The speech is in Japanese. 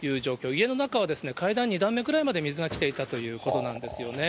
家の中は階段２段目ぐらいまで水が来ていたということなんですよね。